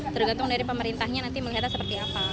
tergantung dari pemerintahnya nanti melihatnya seperti apa